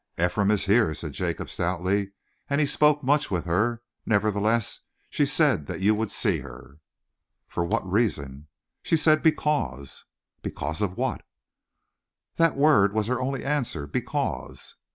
"Ephraim is here," said Jacob stoutly, "and he spoke much with her. Nevertheless she said that you would see her." "For what reason?" "She said: 'Because.'" "Because of what?" "That word was her only answer: 'Because.'"